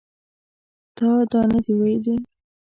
تا دا نه دي ویلي